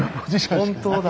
本当だ。